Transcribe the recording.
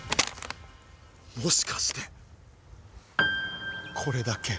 もしかしてこれだけ。